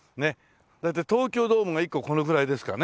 大体東京ドームが１個このぐらいですかね。